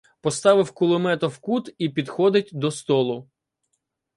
Поставив кулемета в кут і підходить до столу: